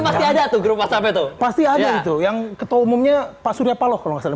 know setelah untuk gerutan save itu pasti aja itu yang ketua umumnya pasurepaluh mungkin ketua admin